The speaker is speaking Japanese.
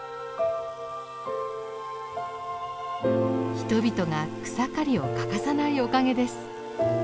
人々が草刈りを欠かさないおかげです。